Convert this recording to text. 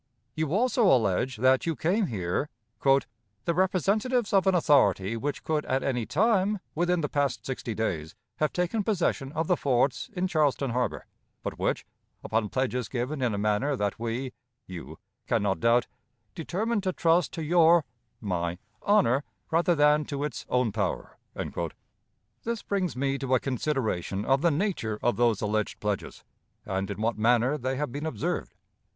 You also allege that you came here "the representatives of an authority which could at any time within the past sixty days have taken possession of the forts in Charleston Harbor, but which, upon pledges given in a manner that we (you) can not doubt, determined to trust to your (my) honor rather than to its own power." This brings me to a consideration of the nature of those alleged pledges, and in what manner they have been observed.